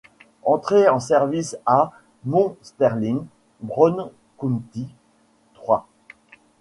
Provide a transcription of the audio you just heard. Entrée en service à: Mt Sterling, Brown County, Ill.